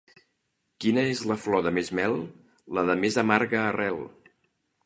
Quina és la flor de més mel? La de més amarga arrel.